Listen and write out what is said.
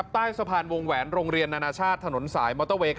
ใต้สะพานวงแหวนโรงเรียนนานาชาติถนนสายมอเตอร์เวย์